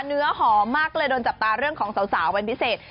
เนื้อหอมมากเลยโดนจับตาเรื่องของสาวเป็นพิเศษ